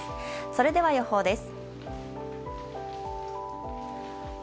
それでは予報です。